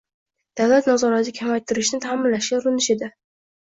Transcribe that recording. davlat nazorati kamaytirishni ta’minlashga urinish edi.